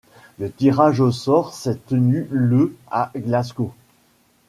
Le tirage au sort s'est tenu le à Glasgow.